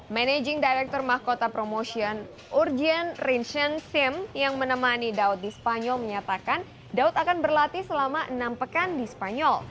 managing director mahkota promotion urgen rinson sim yang menemani daud di spanyol menyatakan daud akan berlatih selama enam pekan di spanyol